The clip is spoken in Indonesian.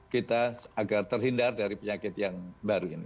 kita agar terhindar dari penyakit yang baru ini